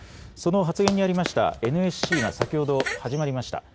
その発言にありましたＮＳＣが先ほど始まりました。